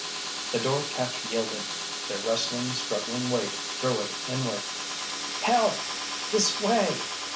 The door catch yielded—their wrestling, struggling weight drew it inward. "Help—this way!"